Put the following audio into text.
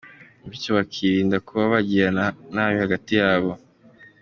Bityo bakirinda kuba bagirirana nabi hagati yabo.